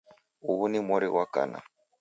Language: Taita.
Ughu ni mori ghwa kana